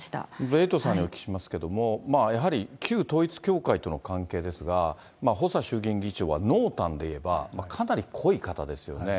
エイトさんにお聞きしますけど、やはり旧統一教会との関係ですが、細田衆議院議長は、濃淡でいえばかなり濃い方ですよね。